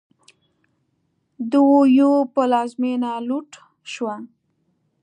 د اویو پلازمېنه لوټ شوه.